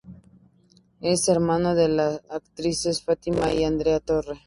Es hermano de las actrices Fátima y Andrea Torre.